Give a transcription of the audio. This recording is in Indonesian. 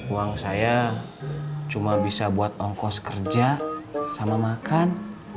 uang saya cuma bisa buat ongkos kerja sama makan